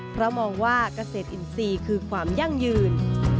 เพราะมองว่าเกษตรอินทรีย์คือความยั่งยืน